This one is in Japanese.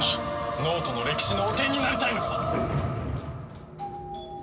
脳人の歴史の汚点になりたいのか！